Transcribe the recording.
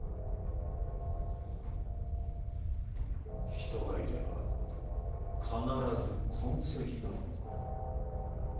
人がいれば必ず痕跡が残る。